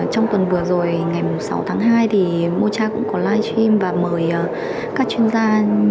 trong tuần vừa rồi ngày sáu tháng hai thì mocha cũng có live stream và mời các chuyên gia